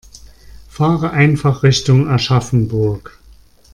Fahre einfach Richtung Aschaffenburg